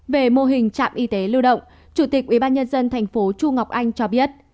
về mô hình trạm y tế lưu động chủ tịch ubnd tp chu ngọc anh cho biết